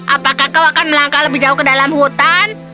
apakah kau akan melangkah lebih jauh ke dalam hutan